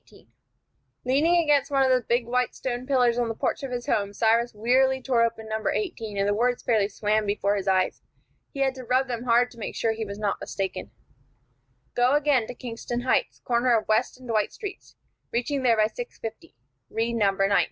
Leaning against one of the big white stone pillars of the porch of his home, Cyrus wearily tore open envelope No. 18, and the words fairly swam before his eyes. He had to rub them hard to make sure that he was not mistaken: "Go again to Kingston Heights, corner West and Dwight Streets, reaching there by 6:50. Read No.